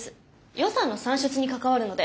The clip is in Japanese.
予算の算出に関わるので。